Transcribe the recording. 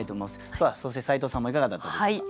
さあそして斉藤さんもいかがだったでしょうか？